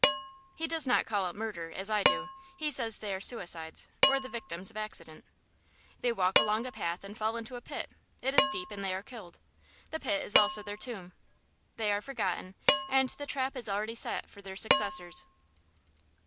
"He does not call it murder, as I do; he says they are suicides, or the victims of accident. They walk along a path and fall into a pit. It is deep, and they are killed. The pit is also their tomb. They are forgotten, and the trap is already set for their successors."